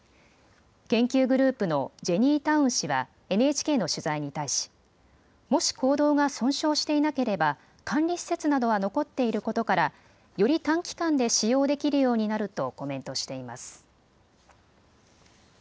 研究グループのジェニー・タウン氏はＮＨＫの取材に対しもし坑道が損傷していなければ管理施設などは残っていることからより短期間で使用できるようになるとコメントしています。